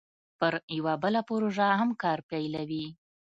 پر یوه بله پروژه هم کار پیلوي